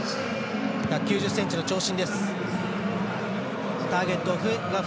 １９０ｃｍの長身。